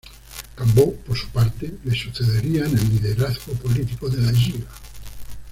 Cambó, por su parte, le sucedería en el liderazgo político de la Lliga.